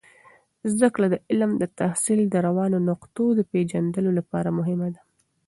زده کړه د علم د تحصیل د روانو نقطو د پیژندلو لپاره مهمه ده.